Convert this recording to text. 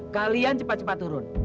kalian cepat cepat turun